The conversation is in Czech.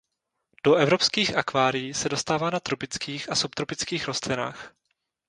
Do evropských akvárií se dostává na tropických a subtropických rostlinách.